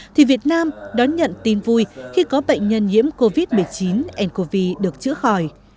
thì việt nam đón nhận tin vui khi có bệnh nhân nhiễm covid một mươi chín ncov được chữa khỏi